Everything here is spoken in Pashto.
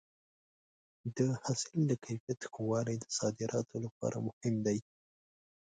د حاصل د کیفیت ښه والی د صادراتو لپاره مهم دی.